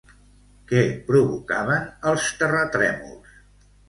Què provocaven els terratrèmols?